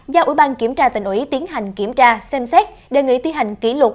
ba giao ủy ban kiểm tra tỉnh ủy tiến hành kiểm tra xem xét đề nghị tiến hành kỷ lục